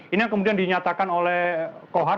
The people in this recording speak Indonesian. ini yang kemudian dinyatakan oleh kohar